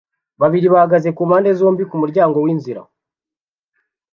babiri bahagaze kumpande zombi kumuryango winzira